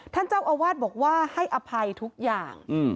ท่านเจ้าอาวาสบอกว่าให้อภัยทุกอย่าง